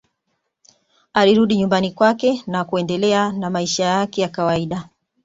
Alirudi nyumbani kwake na kuendelea na maisha yake ya kawaida